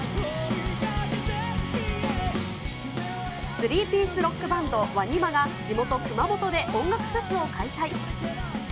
スリーピースロックバンド、ＷＡＮＩＭＡが、地元、熊本で音楽フェスを開催。